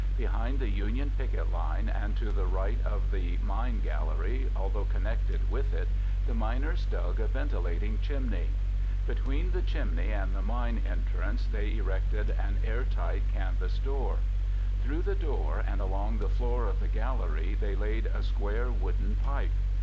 Behind the Union picket line and to the right of the mine gallery, although connected with it, the miners dug a ventilating chimney. Between the chimney and the mine entrance they erected an airtight canvas door. Through that door and along the floor of the gallery they laid a square wooden pipe.